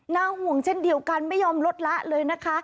ห่วงเช่นเดียวกันไม่ยอมลดละเลยนะคะ